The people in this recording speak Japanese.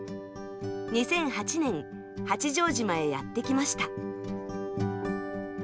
２００８年、八丈島へやって来ました。